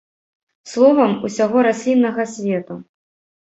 Словам, усяго расліннага свету.